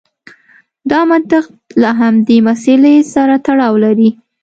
دا منطق له همدې مسئلې سره تړاو لري.